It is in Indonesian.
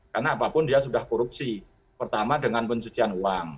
karena apapun dia sudah korupsi pertama dengan pencucian uang